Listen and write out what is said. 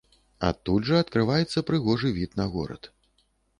Адтуль жа адкрываецца прыгожы від на горад.